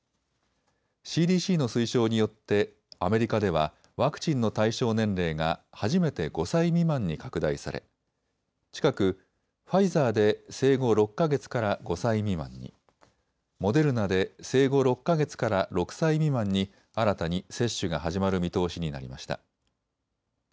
ＣＤＣの推奨によってアメリカではワクチンの対象年齢が初めて５歳未満に拡大され近くファイザーで生後６か月から５歳未満に、モデルナで生後６か月から６歳未満に新たに接種が始まる見通しになりました。